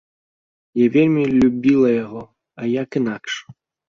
Я вельмі любіла яго, а як інакш?